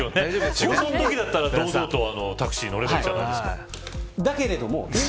仕事のときだったら堂々とタクシーに乗れるじゃないですけど。